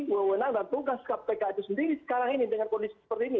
kewenangan dan tugas kpk itu sendiri sekarang ini dengan kondisi seperti ini